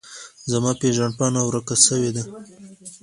زما پیژند پاڼه ورکه سویده